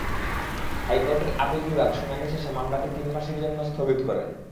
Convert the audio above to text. হাইকোর্টের আপিল বিভাগ শুনানি শেষে মামলাটি তিন মাসের জন্য স্থগিত করেন।